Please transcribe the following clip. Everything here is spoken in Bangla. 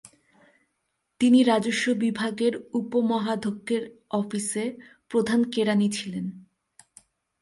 তিনি রাজস্ব বিভাগের উপমহাধ্যক্ষের অফিসে প্রধান কেরানি ছিলেন।